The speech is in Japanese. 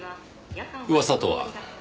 噂とは？